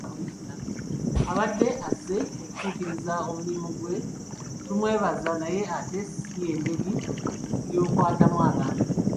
Abadde azze okutuukiriza omulimu ggwe tumwebaza naye ate si y'engeri gy'okwatamu abantu.